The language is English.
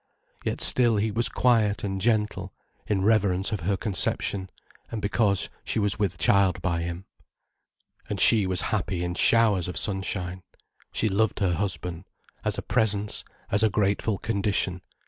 Yet still he was quiet and gentle, in reverence of her conception, and because she was with child by him. And she was happy in showers of sunshine. She loved her husband, as a presence, as a grateful condition.